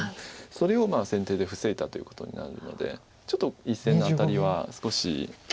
それを先手で防いだということになるのでちょっと１線のアタリは少し。